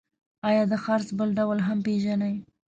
آیا د څرخ بل ډول هم پیژنئ؟